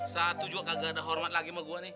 satu juga kagak ada hormat lagi sama gue nih